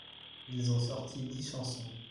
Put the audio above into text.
Ils ont sorti dix chansons.